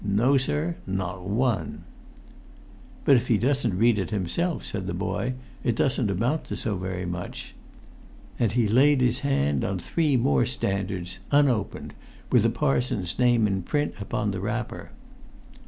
No, sir, not one!" "But if he doesn't read them himself," said the[Pg 9] boy, "it doesn't amount to so very much." And he laid his hand on three more Standards, unopened, with the parson's name in print upon the wrapper.